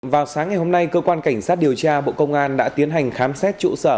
vào sáng ngày hôm nay cơ quan cảnh sát điều tra bộ công an đã tiến hành khám xét trụ sở